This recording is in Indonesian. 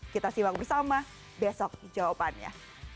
kita simak bersama besok jawabannya